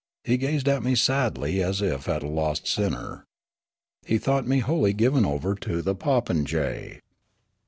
He gazed at me sadly as if at a lost sinner. He thought me wholly giv^en over to the popinja}'.